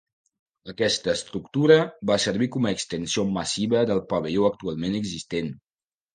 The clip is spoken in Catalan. Aquesta estructura va servir com a extensió massiva del pavelló actualment existent.